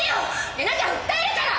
でなきゃ訴えるから！